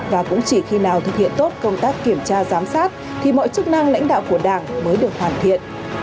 và cũng chỉ khi nào thực hiện tốt công tác kiểm tra giám sát thì mọi chức năng lãnh đạo của đảng mới được hoàn thiện